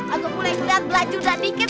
agak mulai kelihat bela judah dikit